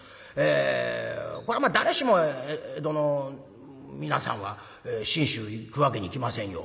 これはまあ誰しも江戸の皆さんは信州行くわけにいきませんよ。